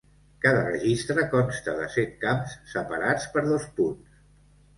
Cada registre consta de set camps separats per dos punts.